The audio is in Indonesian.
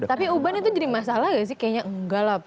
tapi uban itu jadi masalah gak sih kayaknya enggak lah